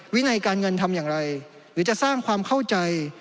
วินัยการเงินทำอย่างไรหรือจะสร้างความเข้าใจ